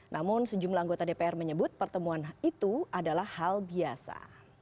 namun sejumlah anggota dpr menyebut pertemuan itu adalah hal biasa